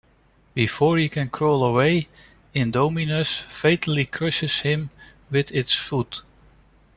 Before he can crawl away, "Indominus" fatally crushes him with its foot.